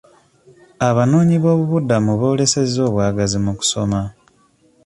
Abanoonyi b'obubuddamu boolesezza obwagazi mu kusoma.